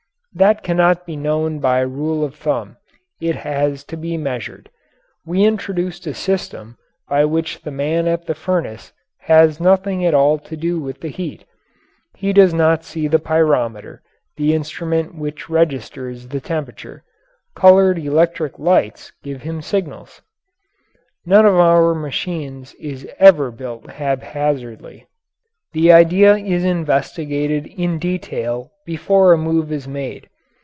That cannot be known by rule of thumb. It has to be measured. We introduced a system by which the man at the furnace has nothing at all to do with the heat. He does not see the pyrometer the instrument which registers the temperature. Coloured electric lights give him his signals. None of our machines is ever built haphazardly. The idea is investigated in detail before a move is made.